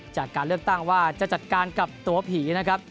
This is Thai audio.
จากการเลือกตั้งว่าจะจัดการกับตัวผีนะครับ